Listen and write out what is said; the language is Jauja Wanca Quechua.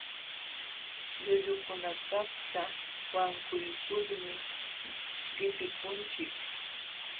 Llullukunakaqta wankuykulmi qipikunchik.